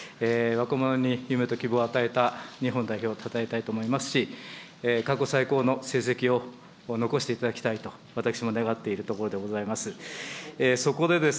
若者に夢と希望を与えた日本代表をたたえたいと思いますし、過去最高の成績を残していただきたいと、私も願っているところでございます。